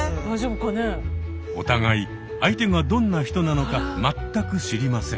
お互い相手がどんな人なのか全く知りません。